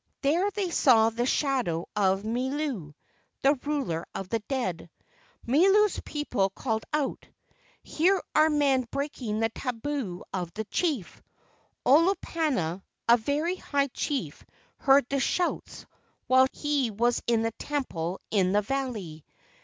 There they saw the shadow of Milu, the ruler of the dead. Milu's people called out, "Here are men breaking the tabu of the chief." Olopana, a very high chief, heard the shouts while he was in the temple in the valley.